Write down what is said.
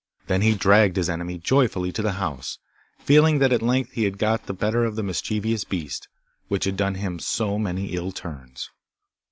Then he dragged his enemy joyfully to the house, feeling that at length he had got the better of the mischievous beast which had done him so many ill turns.